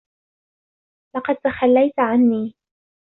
لقد تخلّيت عنّي.